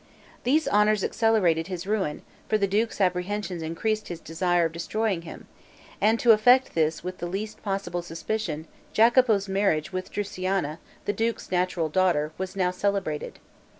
These honors accelerated his ruin; for the duke's apprehensions increased his desire of destroying him; and to effect this with the least possible suspicion, Jacopo's marriage with Drusiana, the duke's natural daughter, was now celebrated.